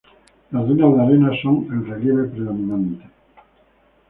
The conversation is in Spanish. Las dunas de arena son el relieve predominante.